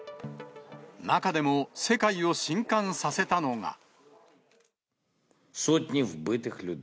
中でも世界をしんかんさせたのが。